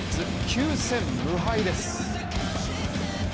９戦無敗です。